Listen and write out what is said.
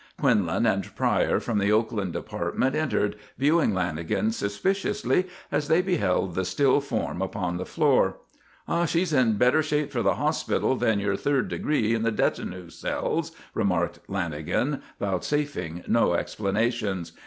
Quinlan and Pryor from the Oakland department entered, viewing Lanagan suspiciously as they beheld the still form upon the floor. "She's in better shape for the hospital than your third degree in the detinue cells," remarked Lanagan, vouchsafing no explanations.